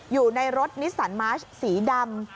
อยู่ในรถนิสสันมาชสีดำ